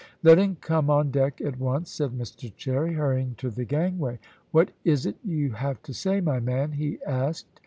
"Let him come on deck at once," said Mr Cherry, hurrying to the gangway. "What is it you have to say, my man?" he asked.